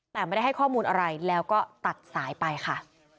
แต่ไม่ได้ให้ข้อมูลอะไรแล้วก็ตัดสายไปค่ะ